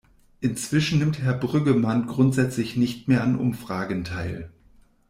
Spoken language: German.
Inzwischen nimmt Herr Brüggemann grundsätzlich nicht mehr an Umfragen teil.